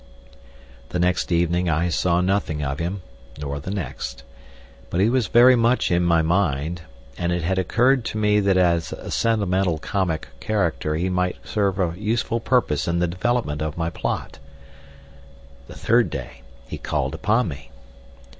The next evening I saw nothing of him, nor the next. But he was very much in my mind, and it had occurred to me that as a sentimental comic character he might serve a useful purpose in the development of my plot. The third day he called upon me.